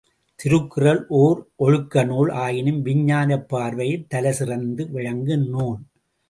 திருக்குறள் ஒர் ஒழுக்க நூல் ஆயினும் விஞ்ஞானப் பார்வையில் தலைசிறந்து விளங்கும் நூல்.